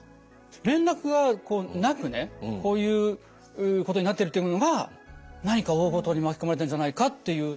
連絡がなくねこういうことになってるというのが何か大ごとに巻き込まれたんじゃないかっていう。